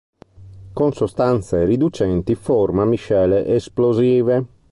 Con sostanze riducenti forma miscele esplosive.